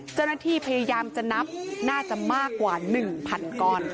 เจ้าหน้าที่พยายามจะนับน่าจะมากกว่า๑๐๐๐ก้อน